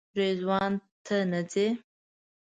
رضوانه ته نه ځې؟